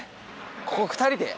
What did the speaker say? ここ２人で？